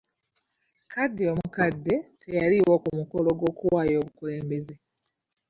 Kadhi omukadde teyaliiwo ku mukolo gw'okuwaayo obukulembeze.